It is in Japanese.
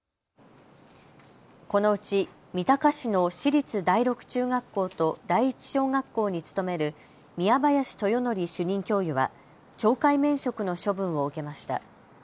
このうち三鷹市の市立第六中学校と第一小学校に勤める宮林豊典主任教諭は懲戒免職の処分を受けました。